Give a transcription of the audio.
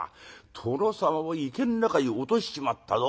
殿様を池ん中に落としちまったぞ。